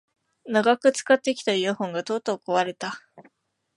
長く使ってきたイヤホンがとうとう壊れた